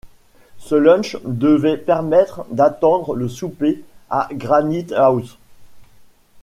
Ce lunch devait permettre d'attendre le souper à Granite-house.